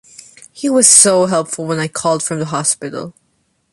He was so helpful when I called from the hospital.